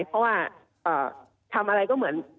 เพราะว่าทำอะไรก็เหมือน